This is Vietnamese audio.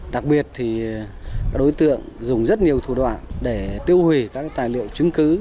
đặc biệt thì các đối tượng dùng rất nhiều thủ đoạn để tiêu hủy các tài liệu chứng cứ